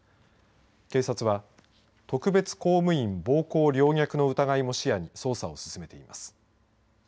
警察は特別公務員暴行陵虐の疑いも視野に捜査を進めています。